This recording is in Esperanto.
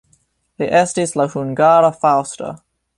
Li estis la hungara Faŭsto.